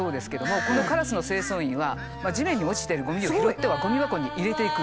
このカラスの清掃員は地面に落ちてるゴミを拾ってはゴミ箱に入れていく。